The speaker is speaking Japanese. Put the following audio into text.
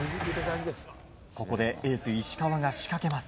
ここでエース石川が仕掛けます。